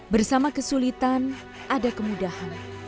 bersama kesulitan ada kemudahan